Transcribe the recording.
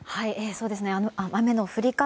雨の降り方